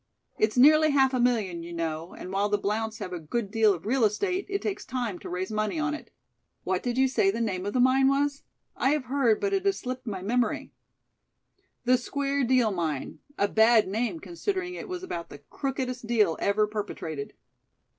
It's nearly half a million, you know, and while the Blounts have a good deal of real estate, it takes time to raise money on it." "What did you say the name of the mine was? I have heard, but it has slipped my memory." "'The Square Deal Mine'; a bad name, considering it was about the crookedest deal ever perpetrated."